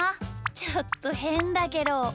ちょっとへんだけど。